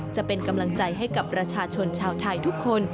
จะเป็นกำลังใจให้กับประชาชนชาวไทยทุกคน